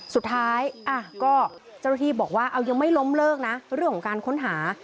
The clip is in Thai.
สุดท้ายก็เจ้าหน้าที่บอกว่าเอายังไม่ล้มเลิกนะเรื่องของการค้นหา